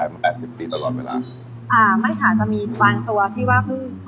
อ่าไม่ค่ะจะมีความตัวที่ว่าเพิ่งพัฒนาขึ้นมา